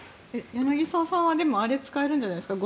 柳澤さんはあれ、使えるんじゃないですか。